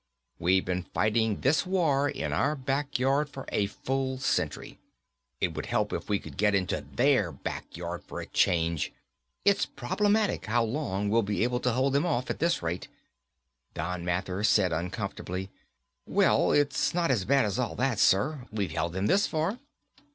We've been fighting this war in our backyard for a full century. It would help if we could get into their backyard for a change. It's problematical how long we'll be able to hold them off, at this rate." Don Mathers said uncomfortably, "Well, it's not as bad as all that, sir. We've held them this far."